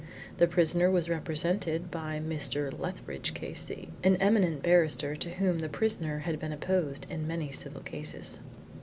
The prisoner was represented by Mr. Lethbridge, K.C., an eminent barrister to whom the prisoner had been opposed in many civil cases.